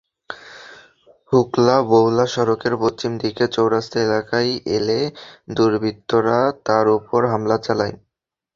হুগলা-বৌলা সড়কের পশ্চিম দিকের চৌরাস্তা এলাকায় এলে দুর্বৃত্তরা তাঁর ওপর হামলা চালায়।